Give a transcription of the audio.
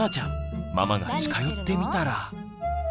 ママが近寄ってみたら。